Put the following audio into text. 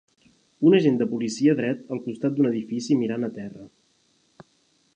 Un agent de policia dret al costat d'un edifici mirant a terra